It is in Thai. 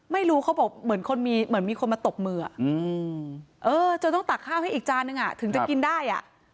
ไม่รู้เขาบอกเหมือนคนมีเหมือนมีคนมาตบมือจนต้องตักข้าวให้อีกจานนึงถึงจะกินได้